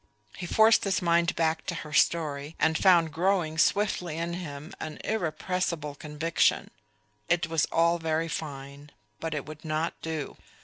He forced his mind back to her story, and found growing swiftly in him an irrepressible conviction. It was all very fine; but it would not do.